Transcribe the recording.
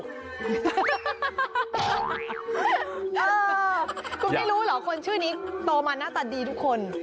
เออคุณไม่รู้เหรอคนชื่อนี้โตมาหน้าตาดีทุกคน